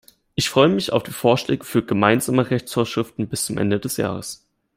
Ich freue mich auf die Vorschläge für "gemeinsame Rechtsvorschriften" bis zum Ende des Jahres.